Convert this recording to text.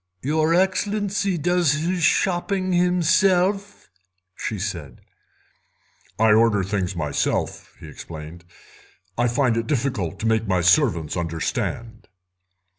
"Your Excellency does his shopping himself?" she said. "I order the things myself," he explained; "I find it difficult to make my servants understand."